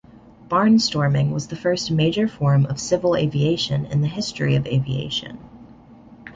Barnstorming was the first major form of civil aviation in the history of aviation.